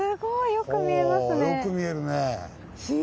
よく見えるね。